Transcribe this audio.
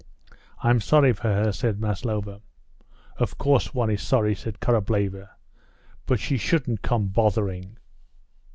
"I'm sorry for her," said Maslova. "Of course one is sorry," said Korableva, "but she shouldn't come bothering."